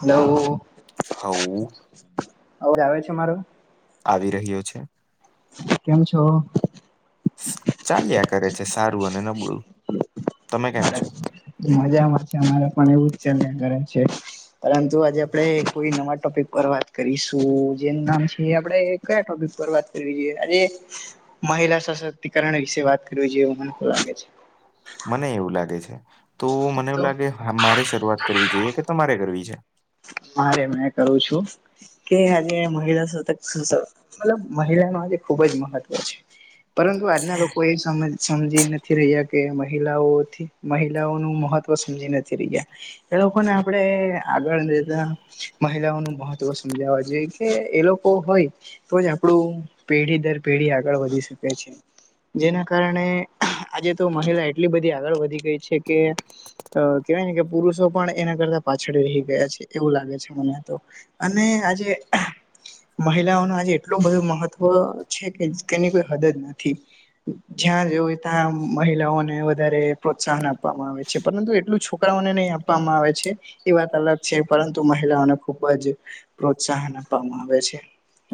Hello હવું અવાજ આવે છે મારો? આવી રહ્યો છે. કેમ છો? ચાલ્યા કરે છે સારું અને નબળું. તમે કેમ છો મજામાં છે અમારે પણ એવું જ ચાલ્યા કરે છે. પરંતુ આજે આપણેે કોઈ નવા ટોપિક પર વાત કરીશું જેનું નામ છે આપણે કયા ટોપિક પર વાત કરવી જોઈએ આજે? મહિલા સશક્તિકરણ વિશે વાત કરવી જોઈએવ મને લાગે છે. મને એવું લાગે છે તો મને તો એવું લાગે મારે શરૂઆત કરવી જોઈએ કે તમારે કરવી છે. હારે મેં કરું છું. કે આજે મહિલાતક મતલબ મહિલા ન આજે ખુબ જ મહત્વ છે. પરંતુ આજના લોકો એ સમ સમજી નથી રહ્યા કે મહિલાઓથી મહિલાઓનું મહત્વ સમજી નથી રહ્યા એ લોકોને આપડે તા મહિલાઓ નું મહત્વ સમજાવવા જોઈએ કે એ લોકો હોય તોજ આપણું પેઢી દર પેઢી આગળ વધી શકે છે. જેના કારણે આજે તો મહિલા એટલી બધી આગળ વધી ગઈ છે કે કેવાય ને કે પુરુષો પણ એના કરતા પાછળ રહી ગેસ છે, એવું લાગે છે મને તો, અને આજે મહિલાઓ નું આજે એટલું બધો મહત્વ છે, કે તેની કોઈ હદ નથી. જ્યાં જો હોય, ત્યાં મહિલાઓને વધારે પ્રોત્સાહન આપવામાં આવે છે, પરંતુ એટલું છોકરાઓને નહીં આપે. આપવામાં આવે છે, એ વાત અલગ. છે, પરંતુ મહિલાઓને ખુબ જ પ્રોત્સાહન આપવામાં આવે છે.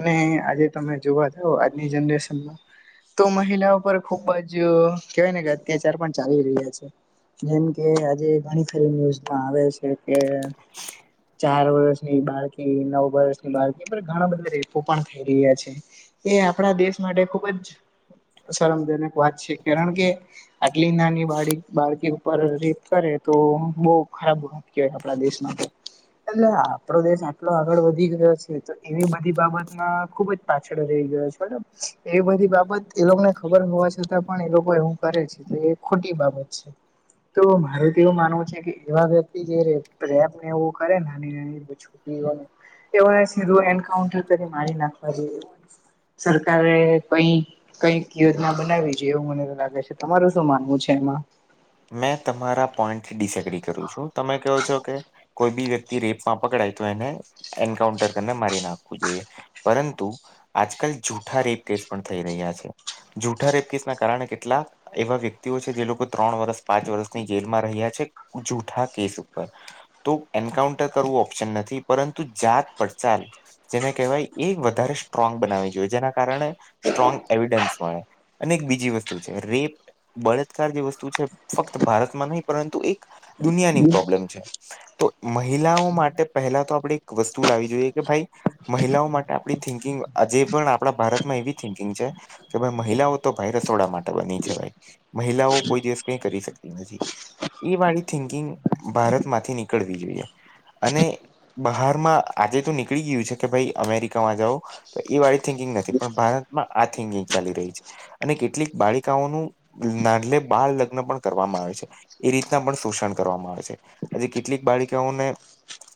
ને આજે, તમે જોવા જાવ, આજની જનરેશનમાં. તો મહિલા પર, ખુબ જ કેહેવાય ને, કે અત્યાચાર પણ ચાલી રહ્યા છે. જેમ કે, આજે ઘણી ફરી ન્યૂઝમાં આવે છે કે ચાર વર્ષની બાળકી, નવ વર્ષની બાળકી, ઘણા બધા રેપો પણ થઈ રહ્યા છે. એ આપણા દેશ માટે ખુબ જ શરમજનક વાત છે, કારણ કે આટલી નાની બાળ બાળકી ઉપર રેપ કરે, તો બહુ ખરાબ. કેવાય, આપણા દેશમાં તો એટલે, આપડો દેશ આટલો આગળ વધી ગયો છે, તો એવી બધી બાબતમાં ખુબ જ પાછળ રહી ગયો છે, બરાબર. એ બધી બાબત એ લોકોને ખબર હોવા છતાં પણ, એ લોકો હું કરે છે, તો એ ખોટી બાબત છે. તો મારુ તો એવું માનવું છે કે, એવા વ્યક્તિ જે રેપ એવું કરે ને, તો એને સીધું એન્કાઉન્ટર કરી મારી નાખવા જોઈએ, સરકારે કંઈ કંઈક યોજના બનાવી જોઈએ, એવું મને લાગે છે, તમારું શું માનવું છે એમાં? મેં તમારા પોઈન્ટ ડીસ એગ્રી કરું છું, તમે કહો છો કે કોઈ બી વ્યક્તિ રેપમાં પકડાય, તો એને એન્કાઉન્ટર કરીને મારી નાખવું જોઈએ. પરંતુ આજકાલ જૂઠા રેપ કેસ પણ થઈ રહ્યા છે. જૂઠા રેપ કેસના કારણે, કેટલાક એવા વ્યક્તિઓ છે, જે લોકો ત્રણ વર્ષ પાંચ વર્ષની જેલમાં રહ્યા છે, જૂઠા કેસ ઉપર તો એન્કાઉન્ટર કરવું ઓપ્શન નથી, પરંતુ જાત પડચાલ જેને કહેવાય, એ વધારે સ્ટ્રોંગ બનાવી જોઈએ, જેના કારણે સ્ટ્રોંગ એવિડન્સ મળે. અને એક બીજી વસ્તુ છે, રેપ, બળત્કાર જે વસ્તુ છે. ફક્ત ભારતમાં નહીં, પરંતુ એક દુનિયાની પ્રોબ્લેમ છે. તો મહિલાઓ માટે પહેલા તો આપણે એક વસ્તુ લાવવી જોઈએ કે, ભાઈ. મહિલાઓ માટે આપણી થિંકિંગ, આજે પણ આપણા ભારતમાં એવી થિંકિંગ છે. કે ભાઈ મહિલાઓ તો ભાઈ રસોડા માટે બની છે, ભાઈ, મહિલાઓ કોઈ દિવસ કઈ કરી શકતી નથી. એ વાળી થિંકિંગ ભારતમાંથી નીકળવી જોઈએ, અને બહારમાં આજે તો નીકળી ગયું છે કે, ભાઈ, અમેરિકામાં જાઓ. તો એ વાળી થિકિંગ નથી, પણ ભારતમાં આ થિન્કિંગ ચાલી રહી છે. અને કેટલીક બાળિકાઓનું નાલે બાળ કરવામાં આવે છે, એ રીતના પણ શોષણ કરવામાં આવે છે, આજે કેટલીક બાળિકાઓને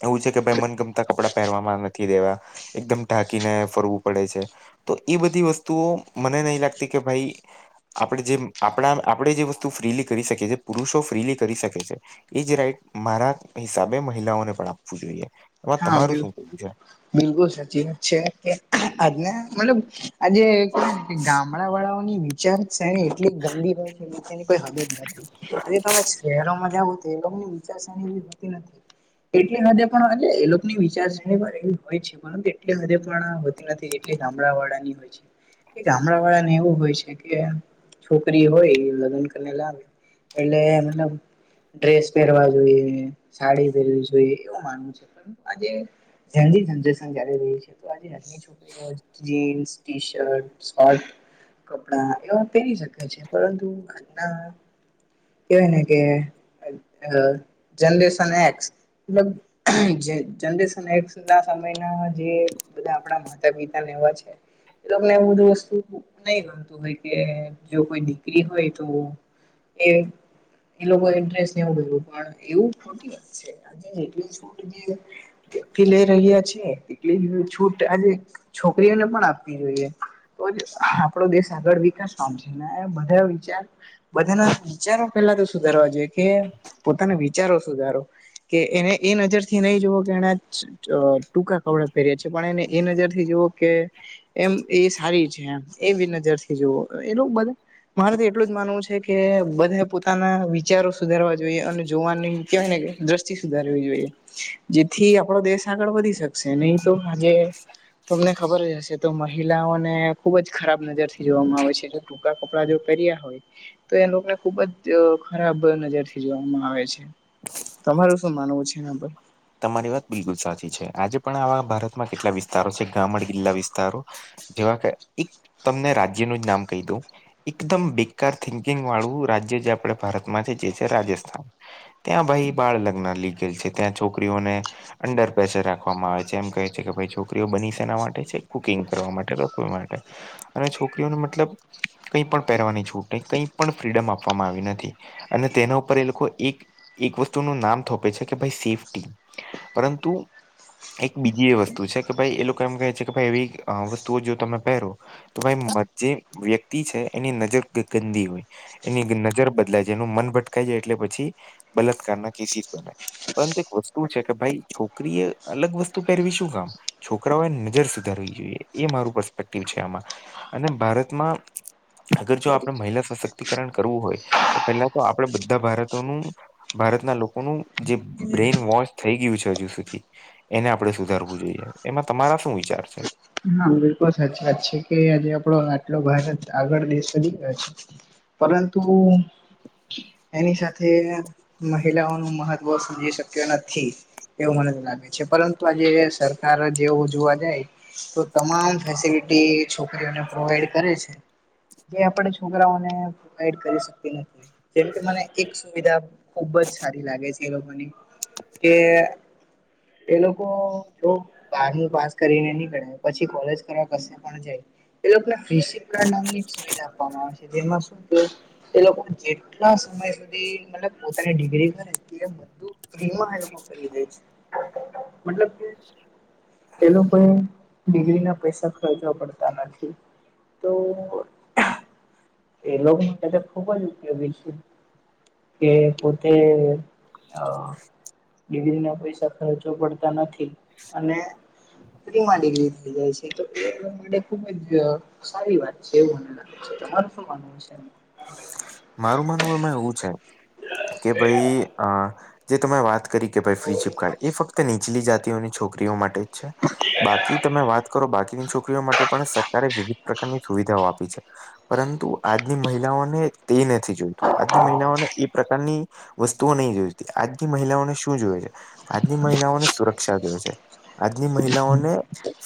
એવું છે કે, ભાઈ, મનગમતા કપડાં પહેરવામાં નથી દેવા, એકદમ ઢાંકીને ફરવું પડે છે. તો એ બધી વસ્તુઓ મને નહીં લાગતી કે, ભાઈ, આપણે જે આપણા, આપણે જે વસ્તુ ફ્રીલી કરી શકે છે, પુરુષો ફ્રીલી કરી શકે છે. એ જ રાઈટ મારા હિસાબે મહિલાઓને પણ આપવું જોઈએ. એમાં હા, તમારું શું બિલકુલ. કેવું છે બિલકુલ સાચી વાત છે, આજને મતલબ આજે કેવાય ને, ગામડા વાળાઓની ચર્ચા છે ને, એટલી ગંદી હોય છે, નીચેની કોઈ હદ નથી. આજે તમે શહેરોમાં જાવ. એની વિચારણી હોતી નથી, એટલી હદે પણ એ ની વિચાર એવી હોય છે, પણ એટલી હદે પણ હોતી નથી, જેટલી ગામડા વાળાની હોય છે. કે, ગામડાવાળા ને એવું હોય છે કે, છોકરી હોય એ લગ્ન કરીને લાવે. એલે એમ. ડ્રેસ પહેરવા જોઈએ, સાડી પહેરવી જોઈએ, એવું માનવું છે. રહી છે, તો આજે છોકરીઓ, જીન્સ, ટી-શર્ટ, શર્ટ. કપડા એવા પહેરી શકાય છે, પરંતુ આજના કને કે અ જનરેન એ જનરેશન એ ના સમયના જે બધા આપણા માતા પિતાને એવા છે. એલોકને એવું બધું વસ્તુ નહી ગમતું હોય કે જો કોઈ દીકરી હોય તો એ એ લોકો ઇન્ટરેસ્ટ નેવું બધુ પણ એવું ખોટી વાત છે, આજે જેટલી [unintelligible] વયકતી લઈ રહ્યા છે, એટલી છૂટ આજે છોકરીઓને પણ આપવી જોઈએ તો જ આપડો દેશ આગળ વિકાસ પામશે ને બધા વિચાર બધાના વિચારો પેલા તો સુધારવા જોઈએ કે પોતાના વિચારો સુધારો કે એને એ નજરથી નહી જોવો કે એના અ ટૂંકા કપડા પહેર્યા છે, પણ એને એ નજરથી જુઓ કે એમ એ સારી છે, એમ એવી નજરથી જોવ એ લો બધા મારે તો એટલું જ માનવું છે, કે બધા પોતાના વિચારો સુધારવા જોઈએ અને જોવાની કહેવાય ને કે દ્રષ્ટિ સુધારવી જોઈએ જેથી આપણો દેશ આગળ વધી શકશે નહી તો આજે તમને ખબર જ હશે તો મહિલાઓને ખુબ જ ખરાબ નજરથી જોવામાં આવે છે. ટૂકા કપડાં જો પહેર્યા હોય તો એ લોકને ખુબ જ અ ખરાબ નજર થી જોવામાં આવે છે, તમારું શું માનવું છે, એના પર? તમારી વાત બિલકુલ સાચી છે, આજે પણ આવા ભારતમાં કેટલા વિસ્તારો છે, ગામડ ગીલ્લા વિસ્તારો જેવા કે એક તમને રાજ્યનું જ નામ કહી દવ એકદમ બેકાર થિંકિંગ વાળું રાજ્ય જે આપડ ભારતમાં છે, જે છે, રાજસ્થાન ત્યાં ભાઈ બાળ લગ્ન લીગેલ છે, ત્યાં છોકરીઓને અંડર પ્રેશર રાખવામાં આવે છે, એમ કહે છે, કે ભાઈ છોકરીઓ બની શેના માટે છે, કુકિંગ કરવા માટે રસોઈ માટે અને છોકરીઓને મતલબ કંઈ પણ પહેરવાની છૂટ કઈ પણ ફ્રીડમ આપવામાં આવી નથી અને તેના ઉપર એ લોકો એક એક વસ્તુનું નામ થોપે છે, કે ભાઈ સેફ્ટી પરંતુ એક બીજી એ વસ્તુ છે, કે ભાઈ એ લોકો એમ કહે છે, કે ભાઈ એવી અ વસ્તુઓ જો તમે પહેરો તો ભાઈ જે વ્યક્તિ છે, એની નજર ગ ગંદી હોય એની નજર બદલાય છે, એનું મન ભટકાાય જાય એટલે પછી બલાત્કારના કેસીસ બને પરંતુ વસ્તુ છે, કે ભાઈ છોકરી એ અલગ વસ્તુ પહેરવી શું કામ છોકરાઓએ નજર સુધારવી જોઈએ એ મારું પસ્પેક્ટિવ છે, આમાં અને ભારતમાં અગર જો આપણે મહિલા સશક્તિકરણ કરવું હોય તો પેલા તો આપણેે બધા ભારતોનું ભારતના લોકોનું જે બ્રેઇન વોશ થઈ ગયું છે, હજુ સુધી એને આપણે સુધારવું જોઈએ એમાં તમારા શું વિચાર છે? હા બિલકુલ સાચી વાત છે, કે આજે આપડો આટલો ભારત આગળ દેશ બની ગયો છે. પરંતુ એની સાથે મહિલાઓનુ મહત્વ સમજી શક્યો નથી એવું મને લાગે છે, પરંતુ આજે સરકાર જેવું જોવા જાય તો તમામ ફેસિલિટી છોકરીઓને પ્રોવાઈડ કરે છે. જે આપણે છોકરાઓને પોવાઈડ કરી શકતી નથી જેમકે મને એક સુવિધા ખુબ જ સારી લાગે છે, એ લોકોની કે એલોકો જો બારમુ પાસ કરીને નીકરહે પછી કોલેજ કરવા કશે પણ જાય એ લોકોને ફી શીપ કાડૅ નામની સુવિધા આપવામાં આવે છે, જેમાં શું કે એ લોકો જેટલા સમય સુધી મતલબ પોતાની ડિગ્રી કરે તે બધુ ફીમા એ લોકો કરી દે છે, મતલબ કે એ લોકો એ ડિગ્રીના પૈસા ખરચવા પડતા નથી તો એ લોકોની સાથે ખુબ જ ઉપયોગી છે, કે પોતે અ ડિગ્રીના પૈસા ખરચવા પડતા નથી. અને [unintelligible] સારી વાત છે, [unintelligible] તમારું શું માનવું છે એમ? મારું માનવું એમાં એવું છે કે ભઈ અ જે તમે વાત કરી કે ભાઈ ફ્રી સિપકાર્ડ એ ફક્ત નીચલી જાતિઓની છોકરીઓ માટે જ છે. બાકી તમે વાત કરો બાકીની છોકરીઓ માટે પણ સરકારે વિવિધ પ્રકારની સુવિધાઓ આપી છે. પરંતુ આજની મહિલાઓને તે નથી જોઈતું. આજની મહિલાઓને એ પ્રકારની વસ્તુઓ નહી જોઈતી. આજની મહિલાઓને શું જોવે છે? આજની મહિલાઓને સુરક્ષા જોવે છે. આજની મહિલાઓને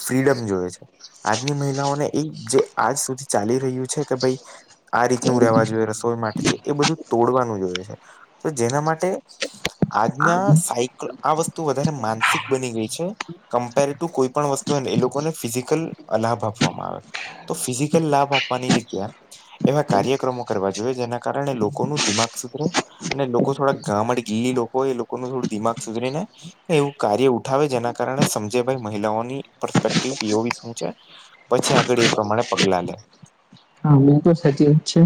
ફ્રીડમ જોવે છે. આજની મહિલાઓને એ જે આજ સુધી ચાલી રહ્યું છે કે ભઈ આ રીતનું રહેવા જોઈએ રસોઈ માટે છે એ બધું તોડવાનું જોએ છે. તો જેના માટે આજના સાયકલ આ વસ્તુ વધારે માનસિક બની ગઈ છે. કમ્પેર ટુ કોઈ પણ વસ્તુ હોય ને એ લોકોને ફિઝિકલ અ લાભ આપવામાં આવે. તો ફિઝિકલ લાભ આપવાની જગ્યા એવા કાર્યક્રમો કરવા જોઈએ, જેના કારણે લોકોનું દિમાગ સુધરે. અને લોકો થોડા ગામડ ગીલી લોકો હોય એ લોકોનું થોડું દિમાગ સુધરીને એવું કાર્ય ઉઠાવે જેના કારણે સમજે ભઈ મહિલાઓની પરપેક્ટિવ પીઓવી શું છે. પછી આગળ એ પ્રમાણે પગલાં લે. હા બિલકુલ સાચી વાત છે.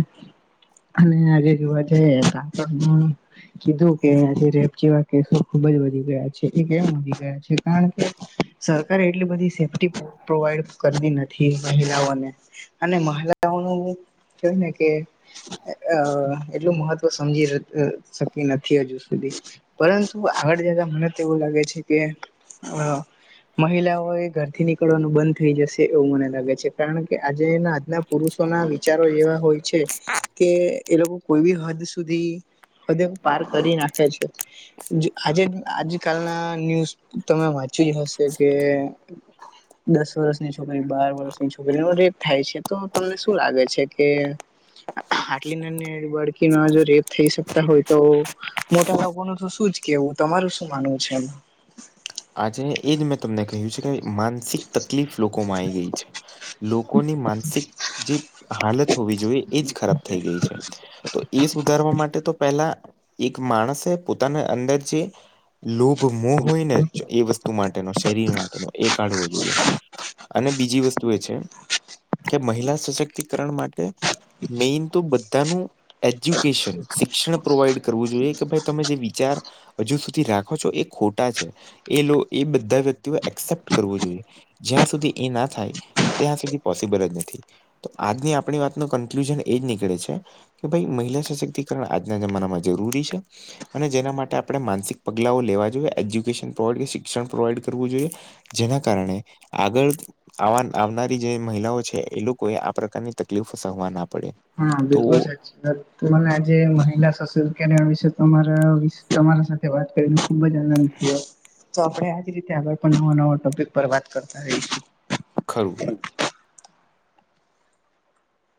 અને આજે [unintelligible] કીધું કે આજે રેપ જેવા કેસો ખુબ જ વધી ગયા છે. એ કેમ વધી ગયા છે કારણ કે સરકાર એટલી બધી સેફ્ટી પ્રોવાઈડ કરતી નથી મહિલાઓને. અને મહલાઓનું કેવાય ને કે અ એટલું મહત્વ સમજી શકી નથી હજુ સુધી. પરંતુ આગળ જતા મને તો એવું લાગે છે કે અ મહિલાઓએ ઘરથી નીક નિકળવાનું બંધ થઈ જશે એવું મને લાગે છે. કારણ કે આજે એના આજના પુરુષોના વિચારો એવા હોય છે, કે એ લોકો કોઈ બી હદ સુધી હદે પાર કરી નાખે છે. જે આજે જ આજકાલના ન્યૂઝ તમે વાંચી જ હશે કે દસ વર્ષની છોકરી, બાર વર્ષની છોકરીનો રેપ થાય છે. તો તમને શું લાગે છે કે આટલી નાની નાની બાળકીનો જો રેપ થઈ શકતા હોય તો. મોટા લોકોનું તો શું જ કેવું? તમારું શું માનવું છે એમ? આજે એજ મેં તમને કહ્યું છે કે માનસિક તકલીફ લોકોમાં આઈ ગઈ છે. લોકોની માનસિક જે હાલત હોવી જોઈએ એજ ખરાબ થઈ ગઈ છે. તો એ સુધારવા માટે તો પેલા એક માણસે પોતાના અંદર જે લોભ, મોહ હોય ને એ વસ્તુ માટેનો, શરીર માટેનો એ કાઢવો જોઈએ. અને બીજી વસ્તુ એ છે કે મહિલા સશક્તિકરણ માટે મેન તો બધાનું એજ્યુકેશન, શિક્ષણ પ્રોવાઈડ કરવું જોઈએ કે ભાઈ તમે જે વિચાર હજુ સુધી રાખો છો એ ખોટા છે. એ લો એ બધા વ્યક્તિઓએ એકસેપ્ટ કરવો જોઈએ. જ્યાં સુધી એ ના થાય ત્યાં સુધી પોસિબલ જ નથી. તો આજની આપણી વાતનું કન્ક્લુઝન એ જ નીકળે છે કે ભઈ મહિલા સશક્તિકરણ આજના જમાનામાં જરૂરી છે. અને જેના માટે આપણે માનસિક પગલાઓ લેવા જોઈએ, એજ્યુકેશન પ્રોવાઈડ કે શિક્ષણ પ્રોવાઈડ કરવું જોઈએ. જેના કારણે આગળ આવા ન આવનારી જે મહિલાઓ છે, એ લોકોએ આ પ્રકારની તકલીફ સહવા ના પડે. હા બિલકુલ તો સાચી. મને આજે મહિલા સશક્તિકરણ વિશે તમારા વીસ તમારા સાથે વાત કરીને ખુબ જ આનંદ થય થયો. તો આપણે આજ રીતે આગળ પણ નવા નવા ટોપિક પર વાત કરતા રહીશું. ખરું. હમ